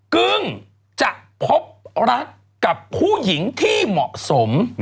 กึ้งจะพบรักกับผู้หญิงที่เหมาะสม